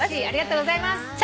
ありがとうございます！